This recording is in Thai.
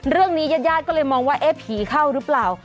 เรื่องนี้ญาติก็เลยมองว่าเอ๊ะผีเข้าหรือเปล่า